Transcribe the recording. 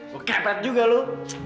gue kebet juga lu